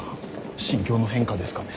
心境の変化ですかね？